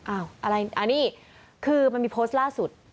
อะไรอันนี้คือมันมีโพสต์ล่าสุด